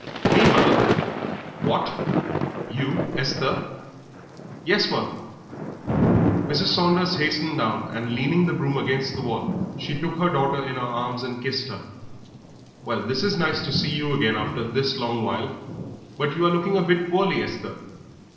"Me, mother." "What! You, Esther?" "Yes, mother." Mrs. Saunders hastened down, and, leaning the broom against the wall, she took her daughter in her arms and kissed her. "Well, this is nice to see you again, after this long while. But you are looking a bit poorly, Esther."